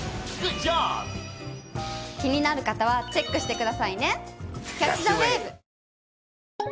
気になる方はチェックしてくださいね。